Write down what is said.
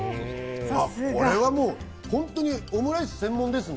これはもう本当にオムライス専門ですね。